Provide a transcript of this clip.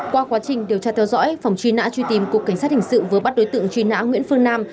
qua quá trình điều tra theo dõi phòng truy nã truy tìm cục cảnh sát hình sự vừa bắt đối tượng truy nã nguyễn phương nam